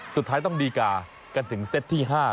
สุดท้ายต้องดีกากันถึงเซตที่๕